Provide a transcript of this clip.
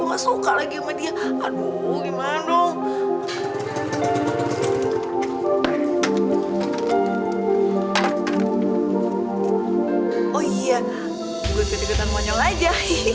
enggak suka lagi sama dia aduh gimana dong oh iya gue ketikutan monyol aja